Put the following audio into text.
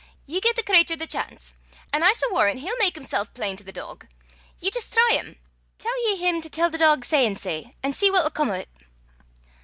Ye gie the cratur the chance, an' I s' warran' he'll mak himsel' plain to the dog. Ye jist try 'im. Tell ye him to tell the dog sae and sae, an' see what 'll come o' 't."